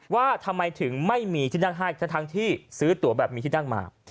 ว่าทำไมถึงไม่มีที่นั่งให้ทั้งที่ซื้อตัวแบบมีที่นั่งมา